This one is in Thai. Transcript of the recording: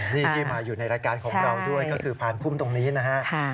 นี่ที่มาอยู่ในรายการของเราด้วยก็คือพานพุ่มตรงนี้นะฮะ